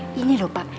nah ini lho pak